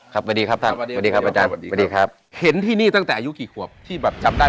วัดดีครับท่านสวัสดีครับอาจารย์